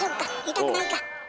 痛くないか？